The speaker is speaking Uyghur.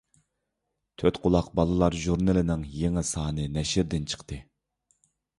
«تۆتقۇلاق بالىلار ژۇرنىلى»نىڭ يېڭى سانلىرى نەشردىن چىقتى.